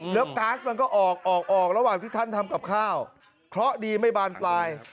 แล้วก๊าซมันก็ออกออกระหว่างที่ท่านทำกับข้าวเคราะห์ดีไม่บานปลาย